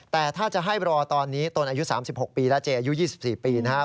แต่ถ้าจะให้รอตอนนี้ตนอายุ๓๖ปีแล้วเจอายุ๒๔ปีนะฮะ